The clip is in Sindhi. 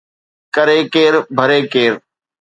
ڪري ڪير ڀري ڪير